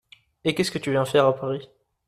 Et qu’est-ce que tu viens faire à Paris ?